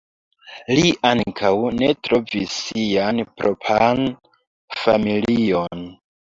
Li ankaŭ ne trovis sian propran familion.